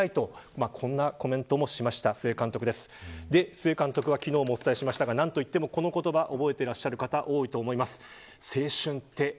須江監督は昨日もお伝えしましたが何と言ってもこの言葉覚えてる方が多いと思います。